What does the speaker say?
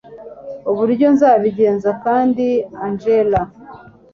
uburyo nzabigenza kandi angella